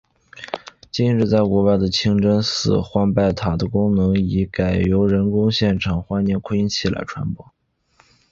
今日在国外的清真寺唤拜塔的功能已改由人工现场唤念扩音器来传播。